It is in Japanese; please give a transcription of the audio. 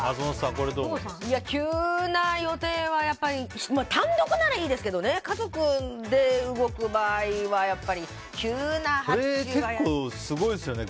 急な予定はやっぱり単独ならいいですけど家族で動く場合は急なのは嫌ですね。